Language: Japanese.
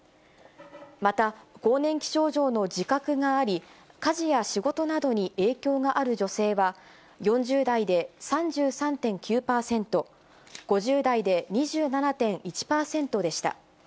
また、更年期症状の自覚があり、家事や仕事などに影響がある女性は、４０代で３３．９％、５０代で２７．１％でした。